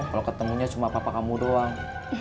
kalau ketemunya cuma papa kamu doang